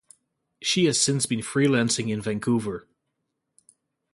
She has since been freelancing in Vancouver.